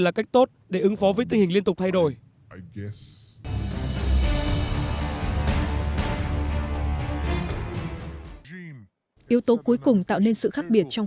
là cách tốt để ứng phó với tình hình liên tục thay đổi yếu tố cuối cùng tạo nên sự khác biệt trong